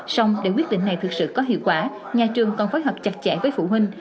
xong để quyết định này thực sự có hiệu quả nhà trường còn phối hợp chặt chẽ với phụ huynh